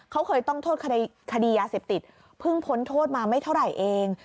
เขาเคยต้องโทษคดียาเสพติดเพิ่งพ้นโทษมาไม่เท่าไหร่เอง